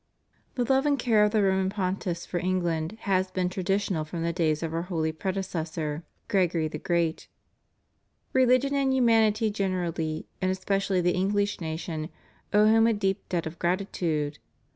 The love and care of the Roman Pontiffs for England has been traditional from the days of Our holy predecessor 336 TO THE ENGLISH PEOPLE. 337 Gregory the Great, Religion and humanity generally, and especially the English nation, owe him a deep debt of gratitude.